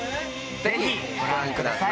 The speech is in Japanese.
ぜひご覧ください。